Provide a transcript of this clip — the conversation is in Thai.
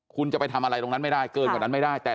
คุณจะไปทำอะไรตรงนั้นไม่ได้เกินกว่านั้นไม่ได้